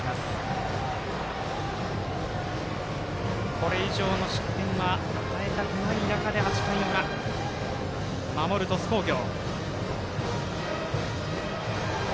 これ以上の失点は与えたくない中で８回裏、守る鳥栖工業。